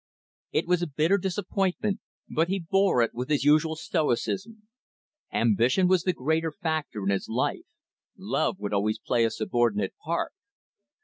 It was a bitter disappointment, but he bore it with his usual stoicism. Ambition was the greater factor in his life; love would always play a subordinate part.